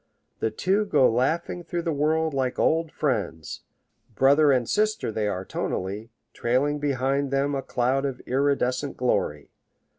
The two go laughing through the world like old friends; brother and sister they are tonally, trailing behind them a cloud of iridescent glory.